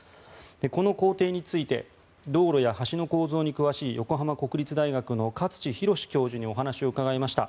この工程について道路や橋の構造に詳しい横浜国立大学の勝地弘教授にお話を伺いました。